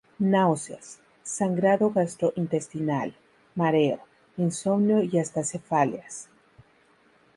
Náuseas, sangrado gastrointestinal, mareo, insomnio y hasta cefaleas.